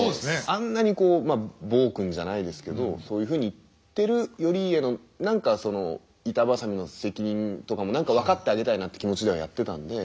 あんなにこう暴君じゃないですけどそういうふうに言ってる頼家の何かその板挟みの責任とかも分かってあげたいなって気持ちではやってたんで。